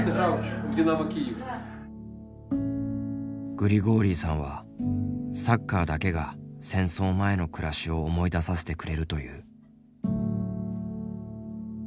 グリゴーリイさんはサッカーだけが戦争前の暮らしを思い出させてくれるという。